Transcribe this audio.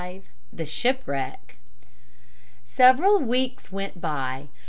V THE SHIPWRECK Several weeks went by.